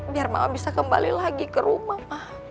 biar mama bisa kembali lagi ke rumah pak